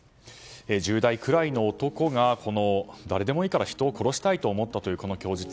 １０代くらいの男が誰でもいいから人を殺したいと思ったというこの供述。